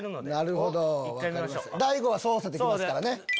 大悟は操作できますからね。